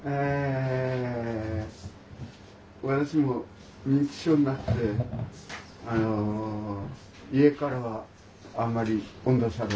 私も認知症になってあの家からあんまり追ん出され。